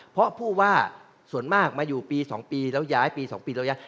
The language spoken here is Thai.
เพราะผู้ว่าส่วนมากมาอยู่ปี๒ปีแล้วย้ายปี๒ปีแล้วย้าย